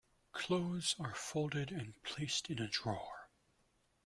Clothes are folded and placed in a drawer.